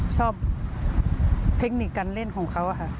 ชอบเทคนิคการเล่นของเขาค่ะ